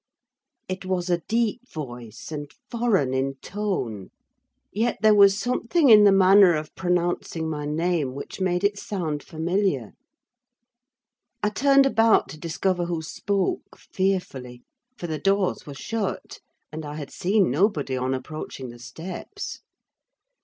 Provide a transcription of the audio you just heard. It was a deep voice, and foreign in tone; yet there was something in the manner of pronouncing my name which made it sound familiar. I turned about to discover who spoke, fearfully; for the doors were shut, and I had seen nobody on approaching the steps.